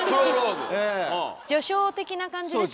序章的な感じですね？